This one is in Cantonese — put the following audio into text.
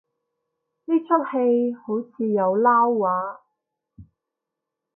呢齣戲好似有撈話